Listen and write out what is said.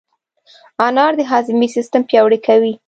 انار د هاضمې سیستم پیاوړی کوي.